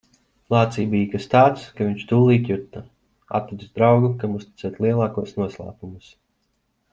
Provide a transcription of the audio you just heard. Lācī bija kas tāds, ka viņš tūlīt juta - atradis draugu, kam uzticēt lielākos noslēpumus.